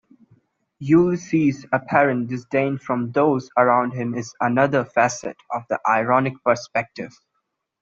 Ulysses' apparent disdain for those around him is another facet of the ironic perspective.